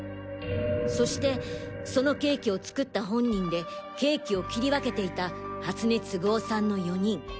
そしてそのケーキを作った本人でケーキを切り分けていた初根継男さんの４人。